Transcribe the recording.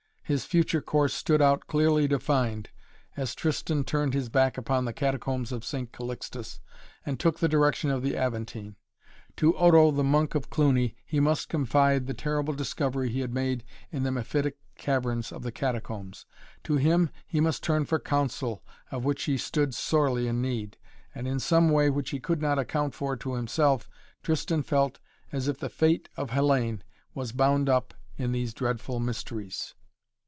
His future course stood out clearly defined, as Tristan turned his back upon the Catacombs of St. Calixtus and took the direction of the Aventine. To Odo, the Monk of Cluny, he must confide the terrible discovery he had made in the mephitic caverns of the Catacombs. To him he must turn for counsel, of which he stood sorely in need. And in some way which he could not account for to himself, Tristan felt as if the fate of Hellayne was bound up in these dreadful mysteries.